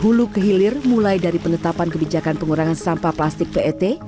mulu kehilir mulai dari penetapan kebijakan pengurangan sampah plastik pet